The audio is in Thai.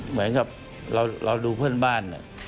เหมือนกับเราดูเพื่อนบ้าน